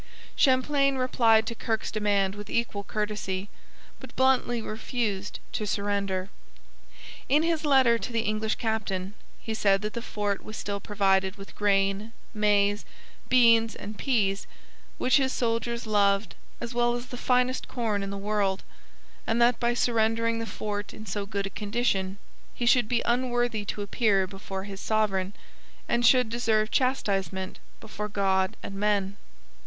Champlain replied to Kirke's demand with equal courtesy, but bluntly refused to surrender. In his letter to the English captain he said that the fort was still provided with grain, maize, beans, and pease, which his soldiers loved as well as the finest corn in the world, and that by surrendering the fort in so good a condition, he should be unworthy to appear before his sovereign, and should deserve chastisement before God and men.